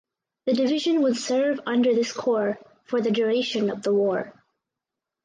The division would serve under this Corps for the duration of the war.